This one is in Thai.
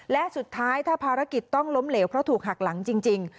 และสุดท้ายถ้าภารกิจต้องล้มเหลวเพราะถูกหักหลังจริง